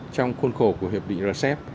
trong khuôn khổ của hiệp định rcep